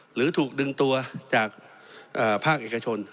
หรือถูกดึงตัวจากภาคเอกชน